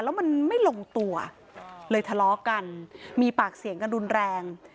แล้วมันไม่ลงตัวเลยทะเลาะกันมีปากเสียงกันรุนแรง